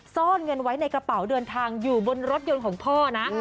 ซ่อนเงินไว้ในกระเป๋าเดินทางอยู่บนรถยนต์ของพ่อนะ